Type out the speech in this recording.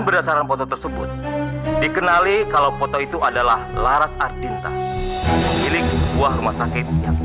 penyelesaian foto tersebut dikenali kalau foto itu adalah laras ardinta buah rumah sakit yang